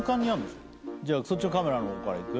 それじゃあそっちのカメラの方からいく？